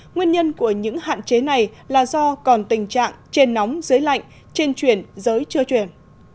nguyên nhân của những hạn chế này là do còn tình trạng trên nóng dưới lạnh trên chuyển giới chưa chuyển